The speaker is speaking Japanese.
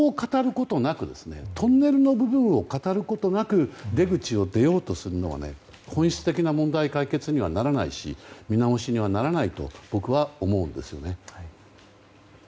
トンネルの部分を語ることなく出口を出ようとするのは本質的な問題解決にならないし見直しにはならないと僕は思うんですよね。